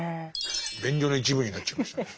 便所の一部になっちゃいましたね。